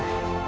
ibu bunda mau